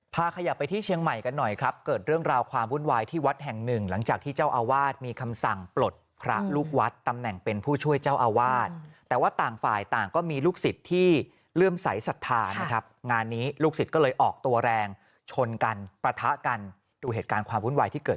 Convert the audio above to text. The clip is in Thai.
ขยับไปที่เชียงใหม่กันหน่อยครับเกิดเรื่องราวความวุ่นวายที่วัดแห่งหนึ่งหลังจากที่เจ้าอาวาสมีคำสั่งปลดพระลูกวัดตำแหน่งเป็นผู้ช่วยเจ้าอาวาสแต่ว่าต่างฝ่ายต่างก็มีลูกศิษย์ที่เลื่อมใสสัทธานะครับงานนี้ลูกศิษย์ก็เลยออกตัวแรงชนกันประทะกันดูเหตุการณ์ความวุ่นวายที่เกิด